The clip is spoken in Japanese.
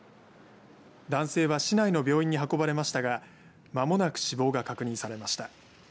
男性は市内の病院に運ばれましたが間もなく死亡が確認されました。